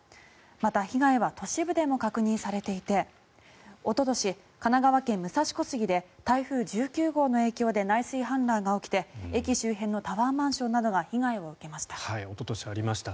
また、被害は都市部でも確認されていておととし、神奈川県・武蔵小杉で台風１９号の影響で内水氾濫が起きて駅周辺のタワーマンションなどがおととし、ありました。